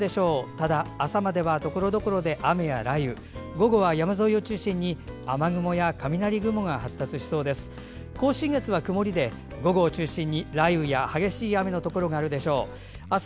ただ、朝まではところどころで雨や雷雨となり午後は山沿いを中心に雨雲や雷雲が発達しそうです。